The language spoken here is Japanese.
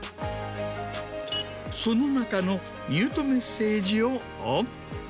その中のミュートメッセージをオン。